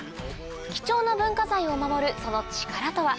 貴重な文化財を守るその力とは？